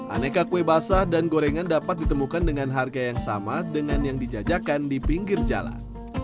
aneka kue basah dan gorengan dapat ditemukan dengan harga yang sama dengan yang dijajakan di pinggir jalan